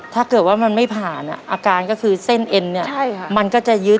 ถ้าเกิดว่ามันไม่ผ่านอาการก็คือเส้นเอ็นเนี่ยมันก็จะยึด